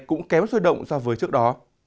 cũng kém xôi động so với trước đó